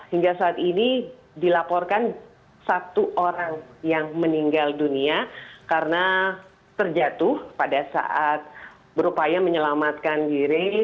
hingga saat ini dilaporkan satu orang yang meninggal dunia karena terjatuh pada saat berupaya menyelamatkan diri